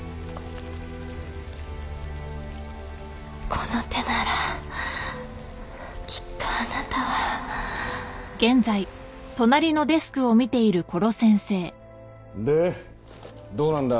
この手ならきっとあなたはでどうなんだ？